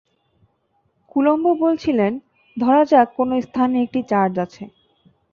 Coulomb বলেছিলেন, ধরা যাক, কোনো স্থানে একটি চার্জ আছে।